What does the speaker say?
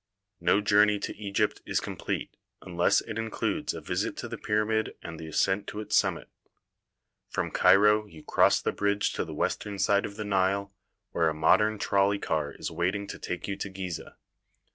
No journey to Egypt is complete unless it in cludes a visit to the pyramid and the ascent to its summit. From Cairo you cross the bridge to the western side of the Nile, where a modern trolley car is waiting to take you to Gizeh.